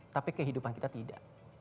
tapi kehidupan kita tidak